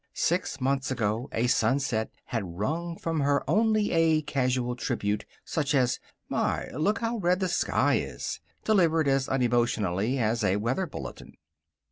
Six months ago a sunset had wrung from her only a casual tribute, such as: "My! Look how red the sky is!" delivered as unemotionally as a weather bulletin.